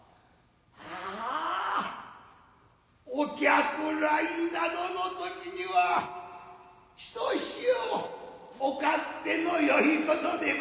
ああお客来などの時にはひとしおお勝手のよいことでござるな。